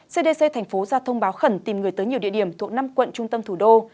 cdc thành phố ra thông báo khẩn tìm người tới nhiều địa điểm thuộc năm quận trung tâm thủ đô